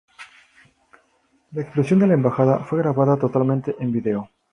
La explosión de la Embajada fue grabada totalmente en video.